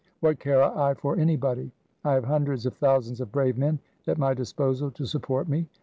What care I for anybody ? I have hundreds of thousands of brave men at my disposal to support me.'